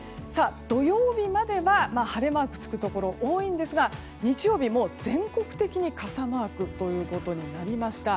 土曜日までは、晴れマークがつくところが多いんですが日曜日、全国的に傘マークということになりました。